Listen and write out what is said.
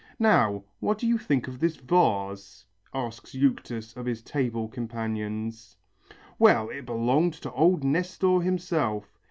"Now, what do you think of this vase?" asks Euctus of his table companions. "Well, it belonged to old Nestor himself.